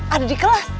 ada di kelas